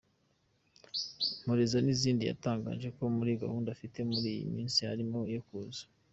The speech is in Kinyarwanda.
Mporeza nizindi yatangaje ko muri gahunda afite muri iyi minsi harimo iyo kuza.